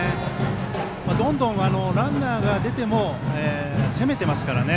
どんどんランナーが出ても攻めてますからね。